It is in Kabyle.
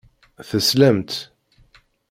Teslamt.